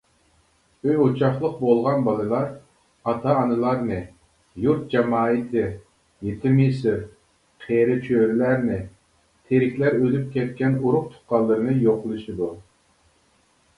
ئۆي-ئوچاقلىق بولغان بالىلار ئاتا-ئانىلارنى، يۇرت جامائىتى يېتىم-يېسىر، قېرى-چۈرىلەرنى، تىرىكلەر ئۆلۈپ كەتكەن ئۇرۇق-تۇغقانلىرىنى يوقلىشىدۇ.